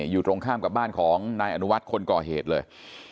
อยู่ตรงข้ามกับบ้านของนายอนุวัฒน์คนก่อเหตุเลย